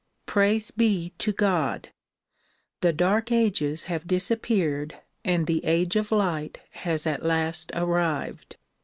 Praise be to God ! the dark ages have disappeared and the age of light has at last arrived.